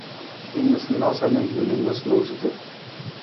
Hin noosanoosa na hiwung na noosunonosutu.